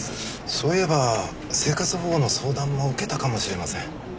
そういえば生活保護の相談も受けたかもしれません。